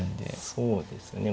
そうですね。